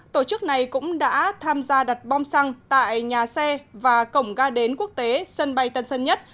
tổ chức này cũng đã tham gia đặt bom xăng tại nhà xe và cổng ga đến quốc tế sân bay tân sơn nhất